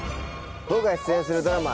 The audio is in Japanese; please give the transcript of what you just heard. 僕が出演するドラマ